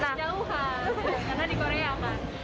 belum jauhan karena di korea apa